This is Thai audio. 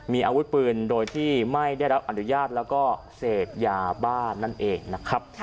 มีอาวุธปืนโดยที่ไม่ได้รับอนุญาตแล้วก็เสพยาบ้านนั่นเองนะครับ